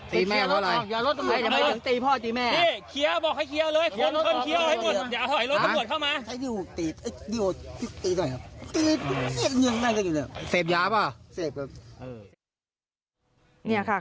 เสพนะ